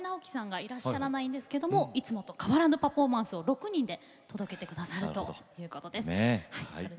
いらっしゃらないんですけれどいつもと変わらぬパフォーマンスを届けてくださるということです。